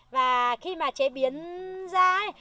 và khi mà chế biến ra ý